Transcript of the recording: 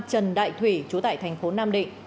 trần đại thủy trú tại thành phố nam định